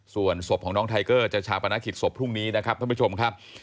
ส่วนศพของน้องไทเกอร์จะชาปนกิจศพพรุ่งนี้นะครับท่านผู้ชมครับ